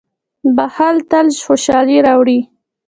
• بښل تل خوشالي راوړي.